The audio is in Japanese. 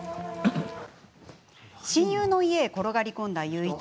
親友の家へ転がり込んだ裕一。